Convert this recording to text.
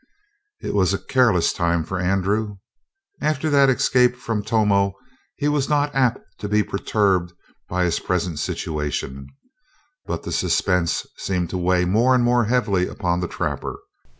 It was a careless time for Andrew. After that escape from Tomo he was not apt to be perturbed by his present situation, but the suspense seemed to weigh more and more heavily upon the trapper.